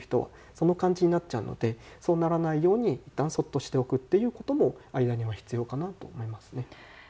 その感じになっちゃうのでそうならないようにいったん、そっとしておくということも間には必要かなと思いますね。